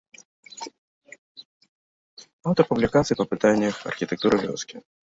Аўтар публікацый па пытаннях архітэктуры вёскі.